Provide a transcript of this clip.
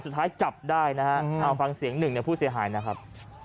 สุดท้ายจับได้นะฮะเอาฟังเสียงหนึ่งในผู้เสียหายนะครับ